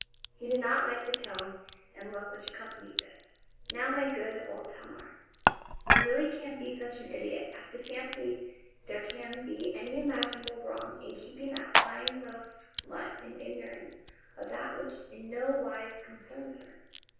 He did not like the tone and look which accompanied this. 'Now, my good old Tamar, you really can't be such an idiot as to fancy there can be any imaginable wrong in keeping that prying little slut in ignorance of that which in no wise concerns her.